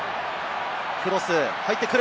クロス、入ってくる！